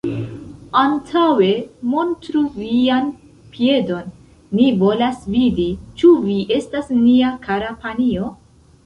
Antaŭe montru vian piedon, ni volas vidi, ĉu vi estas nia kara panjo.